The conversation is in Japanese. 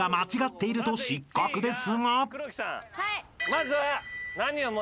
まずは。